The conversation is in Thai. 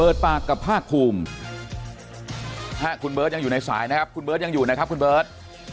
ปากกับภาคภูมิถ้าคุณเบิร์ตยังอยู่ในสายนะครับคุณเบิร์ตยังอยู่นะครับคุณเบิร์ต